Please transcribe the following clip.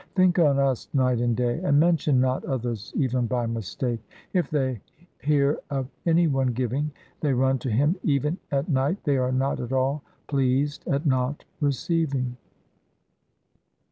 'Think on us night and day, and mention not others even by mistake.' If they hear of any one giving, they run to him even at night, 1 they are not at all pleased at not receiving.